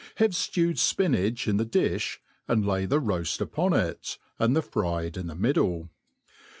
Have ^tvit^ fpinach in the difli, ancf lay the roaft upon it, and the fne<^ in the middle.